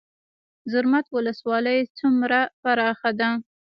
زرمت ولسوالۍ څومره پراخه ده؟